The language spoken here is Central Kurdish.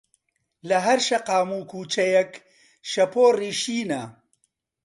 لەهەر شەقام و کووچەیەک شەپۆڕی شینە